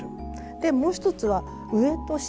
もう一つは上と下。